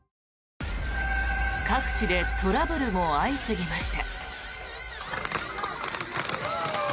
各地でトラブルも相次ぎました。